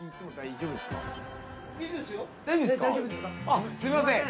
あっすいません